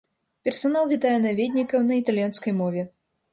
Персанал вітае наведнікаў на італьянскай мове.